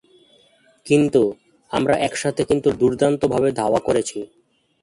কিন্তু, আমরা একসাথে কিন্তু দূর্দান্তভাবে ধাওয়া করেছি!